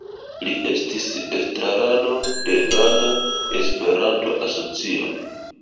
Li estis estrarano de Dana Esperanto Asocio.